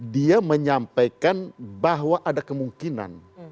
dia menyampaikan bahwa ada kemungkinan